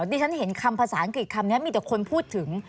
ที่ฉันเห็นคำภาษาอังกฤษคำนี้มีแต่คนพูดถึง